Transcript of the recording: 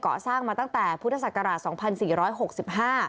เกาะสร้างมาตั้งแต่พุทธศักราช๒๔๖๕